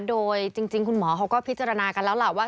โดยจริงคุณหมอเขาก็พิจารณากันแล้วล่ะว่า